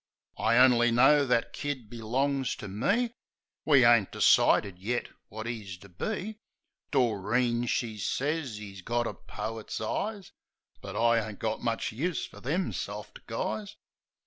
I only know that kid belongs to me ! We ain't decided yet wot 'e's to be. Doreen, she sez 'e's got a poit's eyes; But I ain't got much use fer them soft guys.